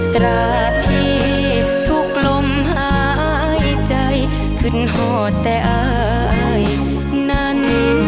ตราดที่ทุกลมหายใจขึ้นห่อแต่อายนั้น